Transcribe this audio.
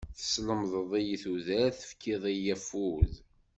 Teslemdeḍ-iyi tudert, tefkiḍ-iyi afud.